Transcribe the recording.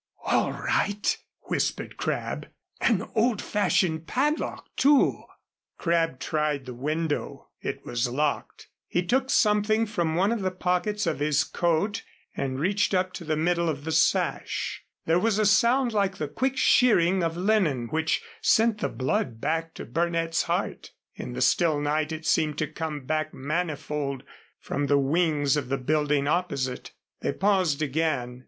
"All right," whispered Crabb. "An old fashioned padlock, too." Crabb tried the window. It was locked. He took something from one of the pockets of his coat and reached up to the middle of the sash. There was a sound like the quick shearing of linen which sent the blood back to Burnett's heart. In the still night it seemed to come back manifold from the wings of the buildings opposite. They paused again.